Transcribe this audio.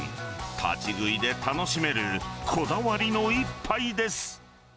立ち食いで楽しめるこだわりの一杯です。